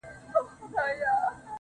اورونه دې دستي، ستا په لمن کي جانانه